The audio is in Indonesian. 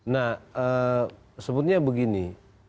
nah sebetulnya begini